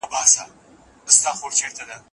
خپل بدن ته د پاملرنې وخت ورکړئ.